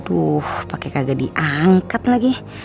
aduh pakai kaget diangkat lagi